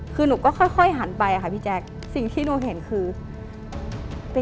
คือหนูก็ค่อยหันไปค่ะพี่แจ๊คสิ่งที่หนูเห็นคือ